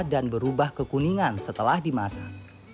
dan berubah ke kuningan setelah dimasak